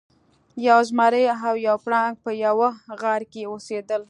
یو زمری او یو پړانګ په یوه غار کې اوسیدل.